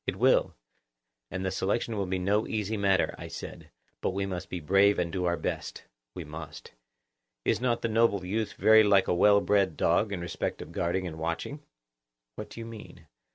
It will. And the selection will be no easy matter, I said; but we must be brave and do our best. We must. Is not the noble youth very like a well bred dog in respect of guarding and watching? What do you mean?